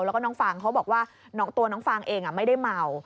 แล้วก็น้องฟางเขาบอกว่าตัวน้องฟางเองไม่ได้เมา